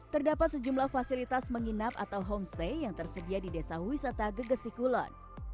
terdapat sejumlah fasilitas menginap atau homestay yang tersedia di desa wisata gegesi kulon